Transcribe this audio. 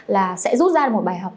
là sẽ rút ra một bài học